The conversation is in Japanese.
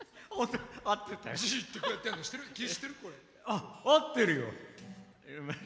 あっ合ってるよ。